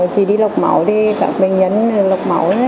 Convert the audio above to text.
chị đi lọc máu thì các bệnh nhân lọc máu